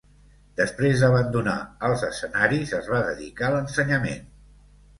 Després d'abandonar els escenaris es va dedicar a l'ensenyament.